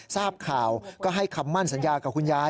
ทราบข่าวก็ให้คำมั่นสัญญากับคุณยาย